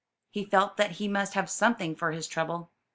He felt that he must have something for his trouble.